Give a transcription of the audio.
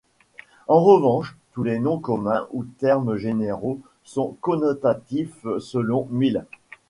En revanche, tous les noms communs, ou termes généraux, sont connotatifs selon Mill.